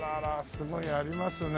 すごいありますね。